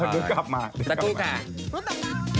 ดูกับมาดูกับมา